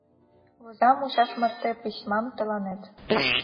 Воза мучаш марте письмам тыланет.